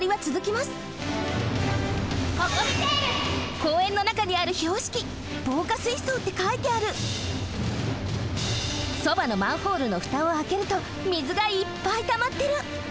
こうえんのなかにあるひょうしき「防火水そう」ってかいてあるそばのマンホールのふたをあけるとみずがいっぱいたまってる。